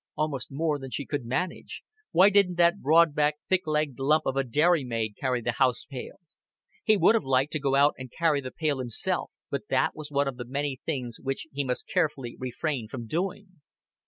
Almost more than she could manage why didn't that broad backed thick legged lump of a dairy maid carry the house pail? He would have liked to go out and carry the pail himself; but that was one of the many things which he must carefully refrain from doing.